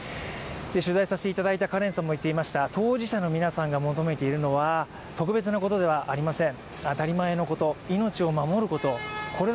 取材させていただいたカレンさんも言っていました、当事者の皆さんが求めているのは、特別なことではありません。